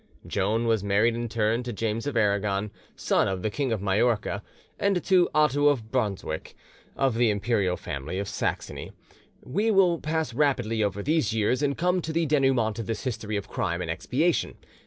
Joan was married in turn to James of Aragon, son of the King of Majorca, and to Otho of Brunswick, of the imperial family of Saxony. We will pass rapidly over these years, and come to the denouement of this history of crime and expiation.